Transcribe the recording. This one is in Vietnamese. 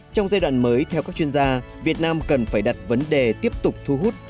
trong giai đoạn mới theo các chuyên gia việt nam cần phải đặt vấn đề tiếp tục thu hút